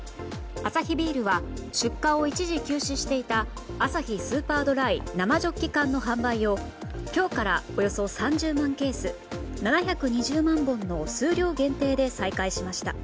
アサヒビールは出荷を一時休止していたアサヒスーパードライ生ジョッキ缶の販売を今日からおよそ３０万ケース７２０万本の数量限定で再開しました。